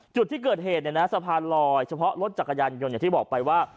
จุดที่เกิดเหตุเนี่ยนะสะพานลอยเฉพาะรถจักรยานยนต์อย่างที่บอกไปว่า